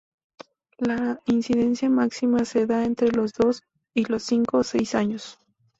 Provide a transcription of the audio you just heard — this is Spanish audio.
La incidencia máxima se da entre los dos y los cinco o seis años.